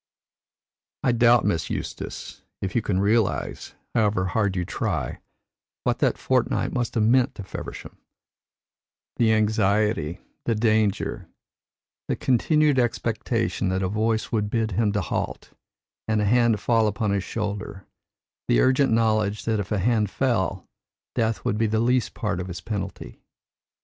I doubt, Miss Eustace, if you can realise, however hard you try, what that fortnight must have meant to Feversham the anxiety, the danger, the continued expectation that a voice would bid him halt and a hand fall upon his shoulder, the urgent knowledge that if the hand fell, death would be the least part of his penalty.